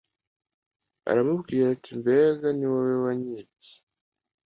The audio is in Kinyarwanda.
aramubwira ati mbega ni wowe wanyibye